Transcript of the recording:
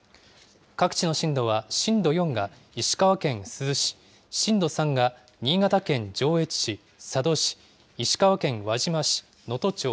各地の震度は、震度４が石川県珠洲市、震度３が新潟県上越市、佐渡市、石川県輪島市、能登町。